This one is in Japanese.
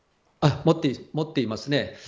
持っていますね。